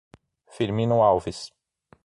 Firmino Alves